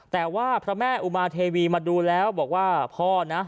แต่ว่าพระแม่อุมาเทวีมาดูแล้วบอกว่าพ่อนะ